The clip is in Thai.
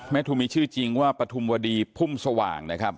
ทุมมีชื่อจริงว่าปฐุมวดีพุ่มสว่างนะครับ